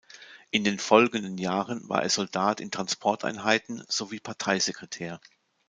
In den folgenden Jahren war er Soldat in Transporteinheiten, sowie Parteisekretär.